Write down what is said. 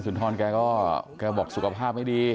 อสุนทรแกน่ะก็บอกสุขภาพไม่ดี